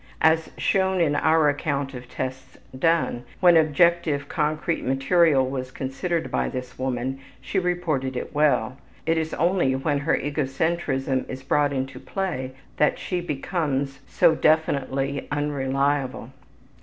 As shown in our account of tests done, when objective concrete material was considered by this woman she reported it well. It is only when her egocentrism is brought into play that she becomes so definitely unreliable.